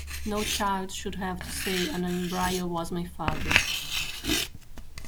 No child should have to say, 'An embryo was my father.